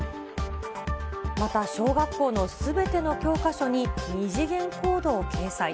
また、小学校のすべての教科書に二次元コードを掲載。